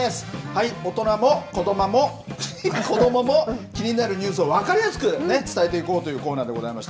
大人も子どもも気になるニュースを分かりやすく伝えていこうというコーナーでございます。